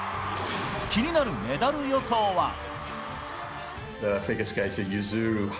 気になるメダル予想は。